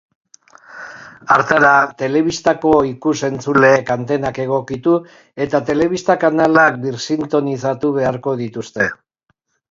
Hartara, telebistako ikus-entzuleek antenak egokitu eta telebista kanalak birsintonizatu beharko dituzte.